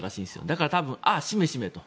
だから、多分しめしめと。